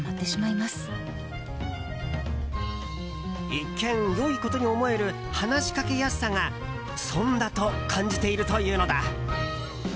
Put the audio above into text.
一見、良いことに思える話しかけやすさが損だと感じているというのだ。